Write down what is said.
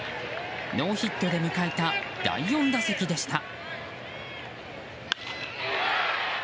ノーヒットで迎えた第４打席でした。